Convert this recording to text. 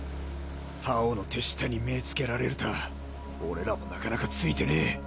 葉王の手下に目つけられるたぁ俺らもなかなかツイてねえ。